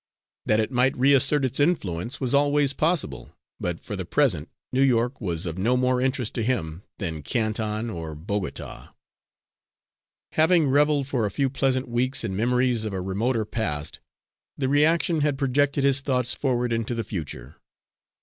That it might reassert its influence was always possible, but for the present New York was of no more interest to him than Canton or Bogota. Having revelled for a few pleasant weeks in memories of a remoter past, the reaction had projected his thoughts forward into the future.